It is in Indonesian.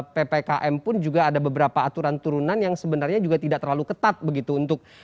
dan ditambah juga dengan level tingkatan ppkm pun juga ada beberapa aturan turunan yang sebenarnya juga tidak terlalu ketat begitu